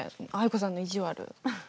藍子さんの意地悪。